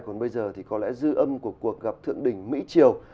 còn bây giờ thì có lẽ dư âm của cuộc gặp thượng đỉnh mỹ triều